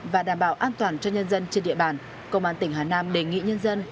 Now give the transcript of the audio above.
và đảm bảo an toàn cho nhân dân trên địa bàn công an tỉnh hà nam đề nghị nhân dân